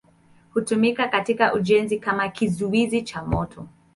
Hutumika katika ujenzi kama kizuizi cha moto.